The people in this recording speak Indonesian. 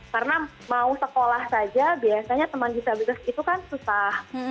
karena mau sekolah saja biasanya teman disabilitas itu kan susah